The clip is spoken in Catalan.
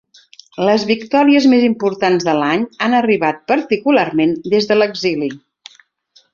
Les victòries més importants de l’any han arribat, particularment, des de l’exili.